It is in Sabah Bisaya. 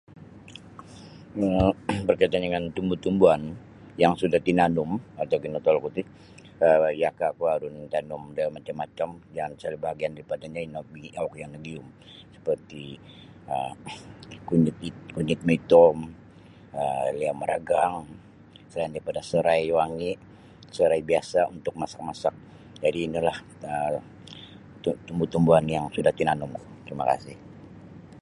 Nyoo' berkaitan dengan tumbuh-tumbuhan yang sudah tinanum, oto nigotol nu tih um yaka ku harun tanum da macam macam dan sebahagian daripadanya ino bi iyo' ni megium seperti um kunit um kunit moitom, um aliyam maragang, selain daripada serai wangi serai biasa untuk masak masak, jadi ini lah um tu tumbuh tumbuhan yang sudah tinanum terima kasih